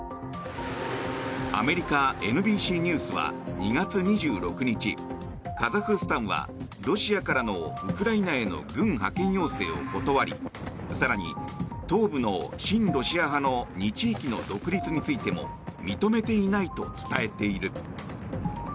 アメリカＮＢＣニュースは２月２６日カザフスタンはロシアからのウクライナへの軍派遣要請を断り更に、東部の親ロシア派の２地域の独立についても認めていないと伝えている。